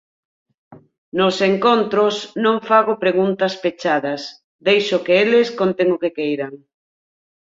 Nos encontros non fago preguntas pechadas, deixo que eles conten o que queiran.